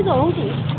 vẫn thui rồi ạ